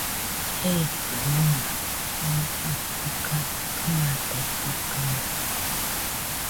Jeikɨaɨ mona, konima dɨga kaɨmaitaitɨkaɨ